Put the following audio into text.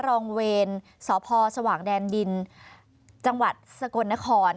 รองเวรสพสว่างแดนดินจังหวัดสกลนคร